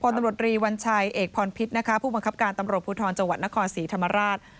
ตำรวจรีวัญชัยเอกพรพิษนะคะผู้บังคับการตำรวจภูทรจังหวัดนครศรีธรรมราช